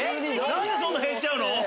何でそんな減っちゃうの？